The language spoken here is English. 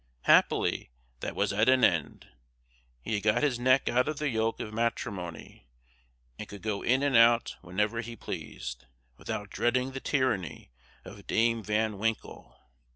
Happily, that was at an end; he had got his neck out of the yoke of matrimony, and could go in and out whenever he pleased, without dreading the tyranny of Dame Van Winkle.